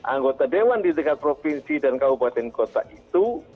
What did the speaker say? anggota dewan di tingkat provinsi dan kabupaten kota itu